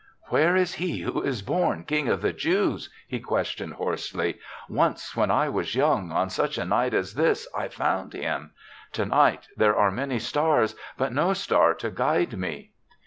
"Where is he who is born King of the Jews ?he questioned hoarsely. " Once, when I was young, on such a night as this I found him. To night there are many stars, but no star to guide me.